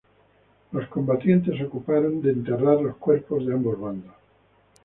Los combatientes se ocuparon de enterrar los cuerpos de ambos bandos.